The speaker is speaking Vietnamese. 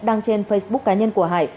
đăng trên facebook cá nhân của hải